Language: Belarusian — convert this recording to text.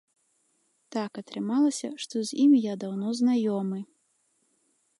Так атрымалася, што з імі я даўно знаёмы.